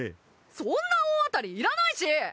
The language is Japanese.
そんな大当たりいらないし！